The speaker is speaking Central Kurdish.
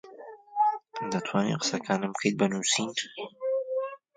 دوو هەزار دیناری دایە و قەرار بوو هەتیو بچێ